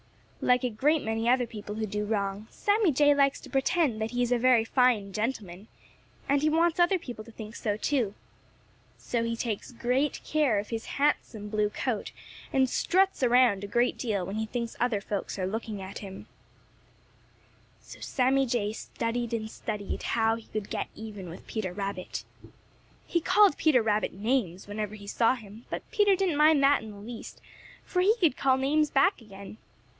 Like a great many other people who do wrong, Sammy Jay likes to pretend that he is a very fine gentleman, and he wants other people to think so too. So he takes great care of his handsome blue coat and struts around a great deal when he thinks other folks are looking at him. *[Illustration: "I'll get even with you, Peter Rabbit!" (missing from book)]* So Sammy Jay studied and studied how he could get even with Peter Rabbit. He called Peter names whenever he saw him, but Peter didn't mind that in the least, for he could call names back again.